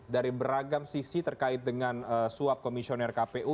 dari beragam sisi terkait dengan suap komisioner kpu